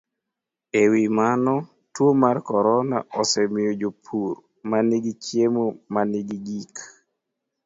E wi mano, tuo mar corona osemiyo jopur ma nigi chiemo ma nigi gik